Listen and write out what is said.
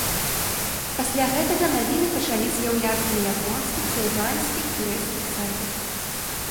Пасля гэтага навіны пачалі з'яўляцца на японскіх, тайваньскіх, турэцкіх сайтах.